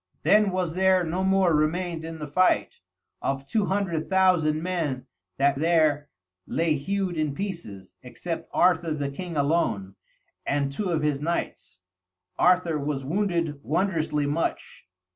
Then was there no more remained in the fight, of two hundred thousand men that there lay hewed in pieces, except Arthur the king alone, and two of his knights. Arthur was wounded wondrously much.